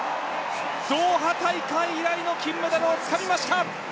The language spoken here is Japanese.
ドーハ大会以来の金メダルをつかみました。